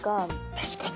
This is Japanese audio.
確かに。